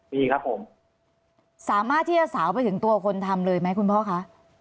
มีครับผมสามารถที่จะสาวไปถึงตัวคนทำเลยไหมคุณพ่อคะ